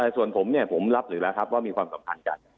ส่วนผมเนี่ยผมรับหรือแล้วครับว่ามีความสัมพันธ์กัน